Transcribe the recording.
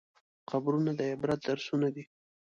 قبرونه د عبرت درسونه دي.